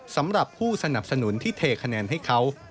สำหรับผู้สนับสนุนที่เทคะแนนให้เขา